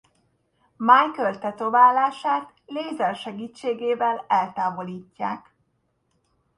Michael tetoválását lézer segítségével eltávolítják.